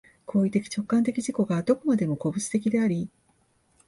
行為的直観的自己がどこまでも個物的であり、